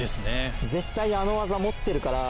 絶対あの技持ってるから。